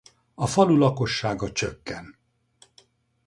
A falu lakossága csökken.